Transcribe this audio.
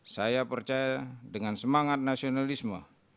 saya percaya dengan semangat nasionalisme